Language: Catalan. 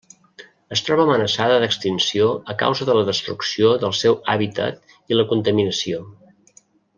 Es troba amenaçada d'extinció a causa de la destrucció del seu hàbitat i la contaminació.